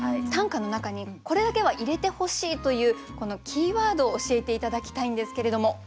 短歌の中にこれだけは入れてほしいというキーワードを教えて頂きたいんですけれども。